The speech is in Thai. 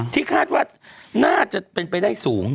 ที่คาดว่าน่าจะเป็นไปได้สูง